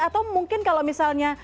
atau mungkin kalau misalnya